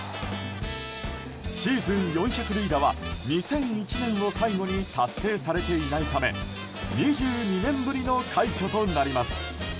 シーズン４００塁打は２００１年を最後に達成されていないため２２年ぶりの快挙となります。